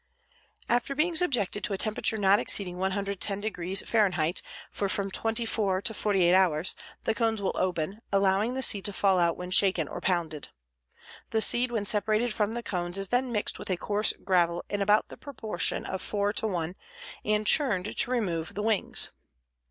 After being subjected to a temperature not exceeding 110° Fahr. for from 24 to 48 hours, the cones will open, allowing the seed to fall out when shaken or pounded. The seed when separated from the cones is then mixed with a coarse gravel in about the proportion of 4 to 1 and churned to remove the wings.